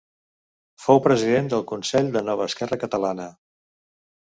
Fou president del Consell de Nova Esquerra Catalana.